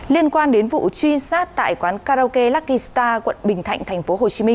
liên quan đến vụ truy sát tại quán karaoke lucky star quận bình thạnh tp hcm